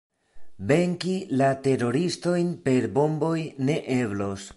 Venki la teroristojn per bomboj ne eblos.